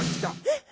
えっ？